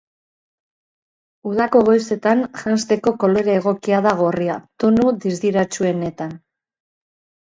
Udako goizetan janzteko kolore egokia da gorria, tonu distiratsuenetan.